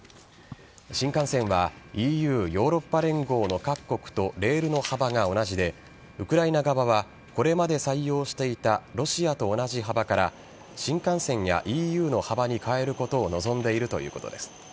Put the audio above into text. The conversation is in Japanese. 新幹線はＥＵ＝ヨーロッパ連合の各国とレールの幅が同じでウクライナ側はこれまで採用していたロシアと同じ幅から新幹線やＥＵの幅に変えることを望んでいるということです。